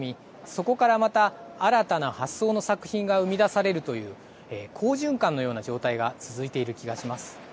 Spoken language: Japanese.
そこからまた新たな発想の作品が生み出されるという好循環のような状態が続いている気がします。